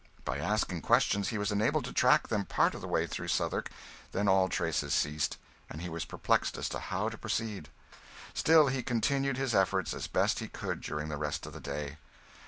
By asking questions, he was enabled to track them part of the way through Southwark; then all traces ceased, and he was perplexed as to how to proceed. Still, he continued his efforts as best he could during the rest of the day.